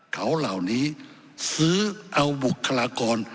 เขาเหล่านี้ซื้อเอาบุคลากร